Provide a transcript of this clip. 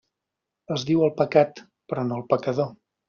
Es diu el pecat, però no el pecador.